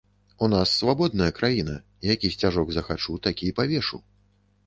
У нас свабодная краіна, які сцяжок захачу, такі і павешу.